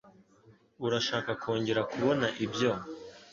Urashaka kongera kubona ibyo?